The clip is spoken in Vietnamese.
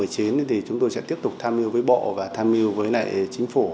trong năm hai nghìn một mươi chín thì chúng tôi sẽ tiếp tục tham mưu với bộ và tham mưu với lại chính phủ